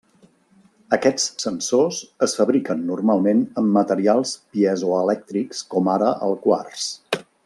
Aquests sensors es fabriquen normalment amb materials piezoelèctrics com ara el quars.